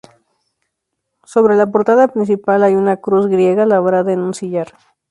Sobre la portada principal hay una cruz griega labrada en un sillar.